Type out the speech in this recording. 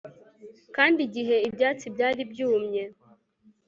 Kandi igihe ibyatsi byari byumye